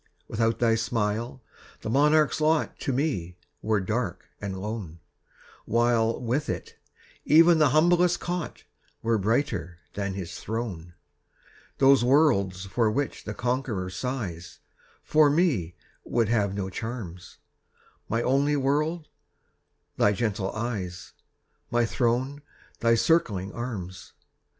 Without thy smile, the monarch's lot To me were dark and lone, While, with it, even the humblest cot Were brighter than his throne. Those worlds for which the conqueror sighs For me would have no charms; My only world thy gentle eyes My throne thy circling arms!